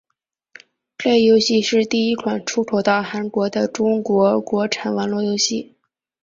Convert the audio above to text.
该游戏是第一款出口到韩国的中国国产网络游戏。